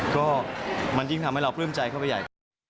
ก็มันยิ่งทำให้เราปลื้มใจเข้าไปใหญ่ขึ้น